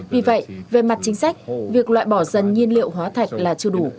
vì vậy về mặt chính sách việc loại bỏ dần nhiên liệu hóa thạch là chưa đủ